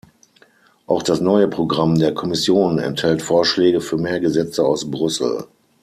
Auch das neue Programm der Kommission enthält Vorschläge für mehr Gesetze aus Brüssel.